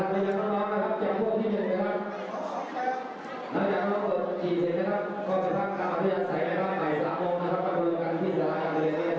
น้องน้องจะพูดหนึ่งนะครับร่างกายสูงรุ่นเสียงแรงนะครับ